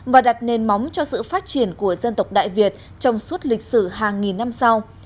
và đặt nền móng cho sự phát triển của dân tộc đại việt trong suốt lịch sử hàng nghìn năm sau